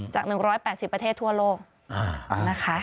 จาก๑๘๐ประเทศทั่วโลกนะคะ